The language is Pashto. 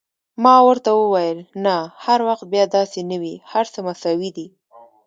ما ورته وویل: نه، هر وخت بیا داسې نه وي، هر څه مساوي دي.